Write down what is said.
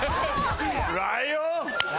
ライオン。